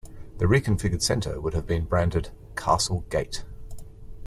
The reconfigured centre would have been branded 'Castle Gate'.